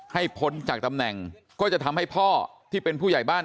พ้นจากตำแหน่งก็จะทำให้พ่อที่เป็นผู้ใหญ่บ้าน